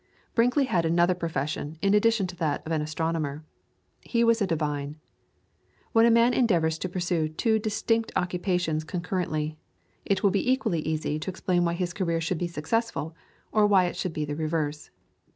Brinkley had another profession in addition to that of an astronomer. He was a divine. When a man endeavours to pursue two distinct occupations concurrently, it will be equally easy to explain why his career should be successful, or why it should be the reverse.